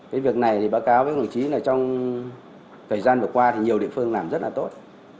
cái việc này thì báo cáo với đồng chí là trong thời gian vừa qua thì nhiều địa phương làm rất là tốt